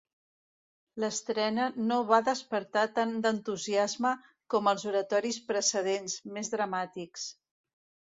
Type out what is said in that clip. L'estrena no va despertar tant d'entusiasme com els oratoris precedents, més dramàtics.